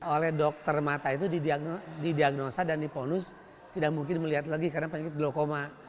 oleh dokter mata itu didiagnosa dan diponus tidak mungkin melihat lagi karena penyakit glukoma